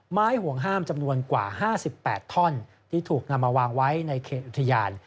ไม้ห่วงห้ามจำนวนกว่า๕๘ท่อนที่ถูกนำมาวางไว้ในเขตอุทยาน